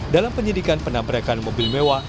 dalam penyidikan penabrakan mobil mewah